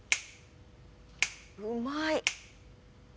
うまい！